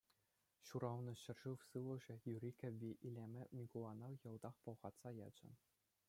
Ҫуралнӑ ҫӗршыв сывлӑшӗ, юрри-кӗвви, илемӗ Микулана йӑлтах пӑлхатса ячӗ.